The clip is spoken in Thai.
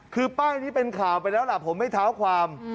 คือป้ายนี้เป็นข่าวไปแล้วล่ะผมไม่เท้าความ